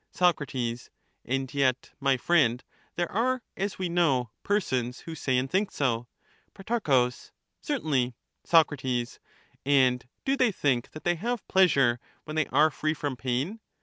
Soc, And yet, my friend, there are, as we know, persons 44 who say and think so. Pro, Certainly. Soc. And do they think that they have pleasure when they are free from pain